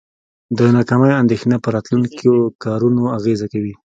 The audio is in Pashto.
د ناکامۍ اندیښنه په راتلونکو کارونو اغیزه کوي.